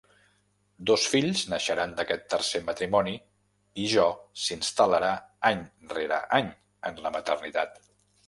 Dos fills naixeran d'aquest tercer matrimoni i Jo s'instal·larà any rere any en la maternitat.